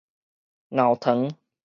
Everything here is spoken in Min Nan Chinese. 熬糖